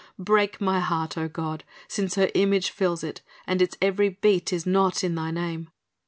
Break my heart, oh God, since her image fills it and its every beat is not in Thy name.